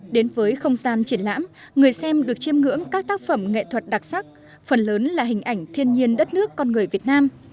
đến với không gian triển lãm người xem được chiêm ngưỡng các tác phẩm nghệ thuật đặc sắc phần lớn là hình ảnh thiên nhiên đất nước con người việt nam